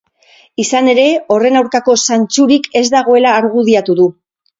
Izan ere, horren aurkako zantzurik ez dagoela argudiatu du.